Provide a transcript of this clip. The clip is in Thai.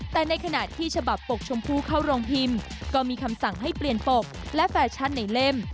แต่ในขณะที่ฉบับปกชมพูเข้าโรงพิมพ์ก็มีคำสั่งให้เปลี่ยนปกและแฟชั่นในเล่ม